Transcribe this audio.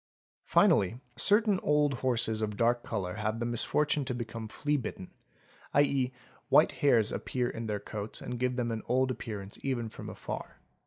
Finally certain old horses of dark colour have the misfortune to become fleabitten, ¢.c., white hairs appear in their coats and give them an old appearance even from afar.